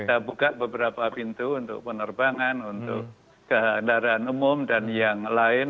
kita buka beberapa pintu untuk penerbangan untuk kendaraan umum dan yang lain